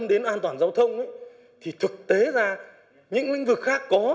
quan tâm đến an toàn giao thông thì thực tế ra những lĩnh vực khác có